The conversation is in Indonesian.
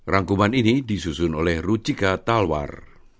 rangkuman ini disusun oleh ruchika talwar